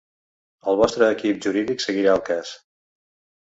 El vostre equip jurídic seguirà el cas.